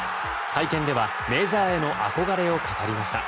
会見ではメジャーへの憧れを語りました。